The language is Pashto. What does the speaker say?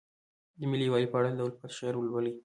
د ملي یووالي په اړه د الفت شعر لولئ.